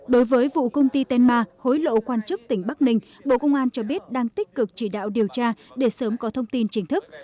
đối với vụ công ty tenma hối lộ quan chức tỉnh bắc ninh bộ công an cho biết đang tích cực chỉ đạo điều tra để sớm có thông tin chính thức